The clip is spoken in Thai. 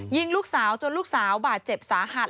ยิงลูกสาวจนลูกสาวบาดเจ็บสาหัส